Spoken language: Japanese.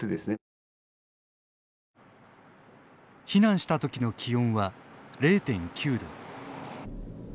避難したときの気温は０．９度。